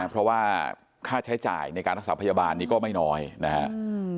เพราะว่าค่าใช้จ่ายในการรักษาพยาบาลนี้ก็ไม่น้อยนะครับ